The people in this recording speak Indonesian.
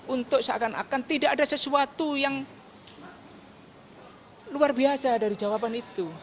untuk seakan akan tidak ada sesuatu yang luar biasa dari jawaban itu